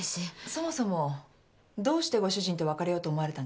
そもそもどうしてご主人と別れようと思われたんですか？